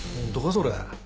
それ。